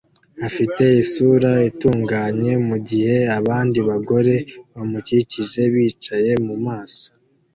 afite isura itunguranye mugihe abandi bagore bamukikije bicaye mumaso